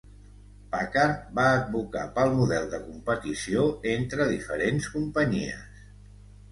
Packard va advocar pel model de competició entre diferents companyies.